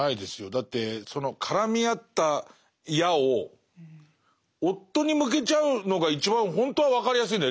だってその絡み合った矢を夫に向けちゃうのが一番本当は分かりやすいんだよ。